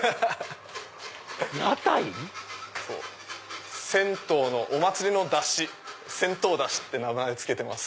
屋台⁉銭湯のお祭りの山車銭湯山車って名前を付けてます。